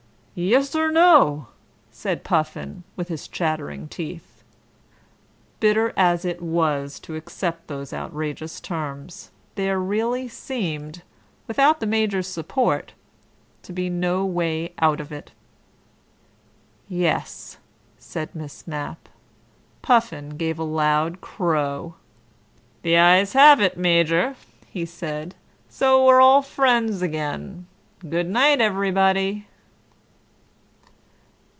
"Yessorno," said Puffin, with chattering teeth. Bitter as it was to accept those outrageous terms, there really seemed, without the Major's support, to be no way out of it. "Yes," said Miss Mapp. Puffin gave a loud crow. "The ayes have it, Major," he said. "So we're all frens again. Goonight everybody."